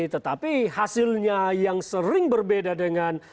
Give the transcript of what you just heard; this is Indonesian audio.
tetapi hasilnya yang sering berbeda dengan